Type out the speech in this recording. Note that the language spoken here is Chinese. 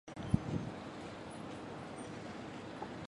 网络共享可能导致消耗流量计费用户的流量配额。